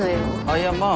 いやまあ。